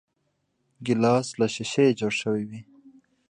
ګیلاس له شیشې جوړ شوی وي.